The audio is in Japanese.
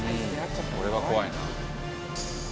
これは怖いな。